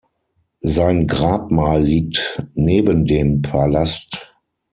Sein Grabmal liegt neben dem Palast.